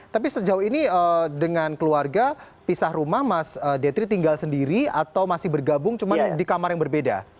tapi sejauh ini dengan keluarga pisah rumah mas detri tinggal sendiri atau masih bergabung cuman di kamar yang berbeda